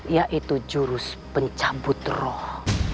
yaitu jurus pencabut roh